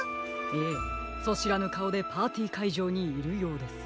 ええそしらぬかおでパーティーかいじょうにいるようです。